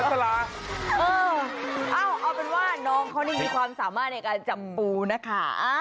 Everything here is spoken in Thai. เอาเป็นว่าน้องเขานี่มีความสามารถในการจับปูนะคะ